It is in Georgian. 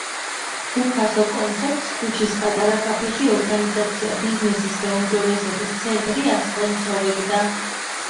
უფასო კონცერტს ქუჩის პატარა კაფეში ორგანიზაცია -„ბიზნესის გაუმჯობესების ცენტრი“- ასპონსორებდა.